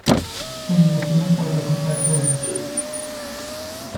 Onde você não pode alcançar seus dedos